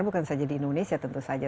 bukan saja di indonesia tentu saja